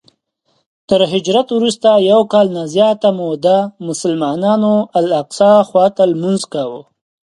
تر هجرت وروسته یو کال نه زیاته موده مسلمانانو الاقصی خواته لمونځ کاوه.